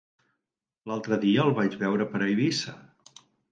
L'altre dia el vaig veure per Eivissa.